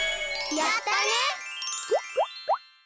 やったね！